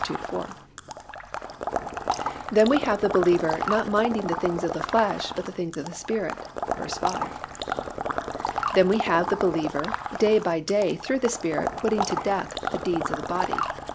2 4); then we have the believer not minding the things of the flesh but the things of the Spirit (v. 5); then we have the believer day by day through the Spirit putting to death the deeds of the body (v.